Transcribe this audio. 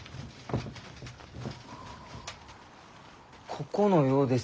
ここのようです。